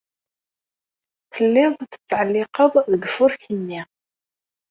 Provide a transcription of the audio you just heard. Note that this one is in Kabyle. Telliḍ tettɛelliqeḍ deg ufurk-nni.